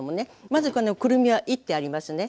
まずこのくるみはいってありますね。